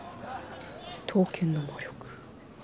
「刀剣の魔力」。